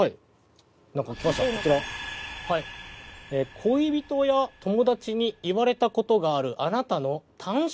「恋人や友達に言われた事があるあなたの短所は？」